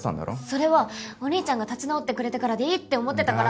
それはお義兄ちゃんが立ち直ってくれてからでいいって思ってたから。